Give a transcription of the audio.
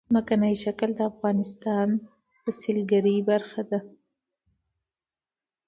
ځمکنی شکل د افغانستان د سیلګرۍ برخه ده.